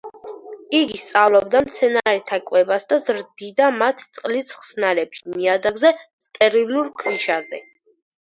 იგი სწავლობდა მცენარეთა კვებას და ზრდიდა მათ წყლის ხსნარებში, ნიადაგზე, სტერილურ ქვიშაზე.